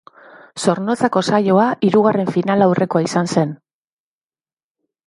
Zornotzako saioa hirugarren finalaurrekoa izan zen.